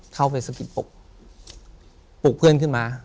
เข้าเฟสกิตปลุกเพื่อนขึ้นมา